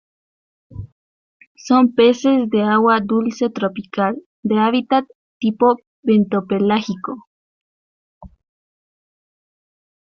Son peces de agua dulce tropical, de hábitat tipo bentopelágico.